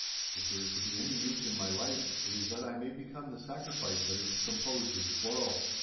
If there is to be any use in my life, it is that I may become the sacrifice that is to compose this quarrel.